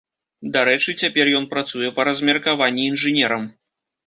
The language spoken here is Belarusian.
Дарэчы, цяпер ён працуе па размеркаванні інжынерам.